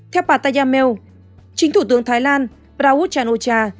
theo patayamel chính thủ tướng thái lan prauch chan o cha